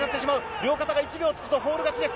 両肩が１秒つくとフォール勝ちです。